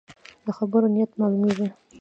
له خبرو نیت معلومېږي.